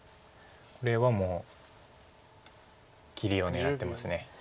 これはもう切りを狙ってます。